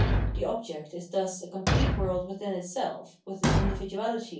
The object is thus a complete world within itself, with an individuality of * i.